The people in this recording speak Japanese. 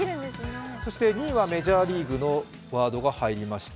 そして２位はメジャーリーグのワードが入りました。